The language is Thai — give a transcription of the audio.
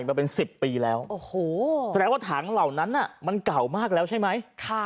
มาเป็น๑๐ปีแล้วโอ้โหแสดงว่าถังเหล่านั้นมันเก่ามากแล้วใช่ไหม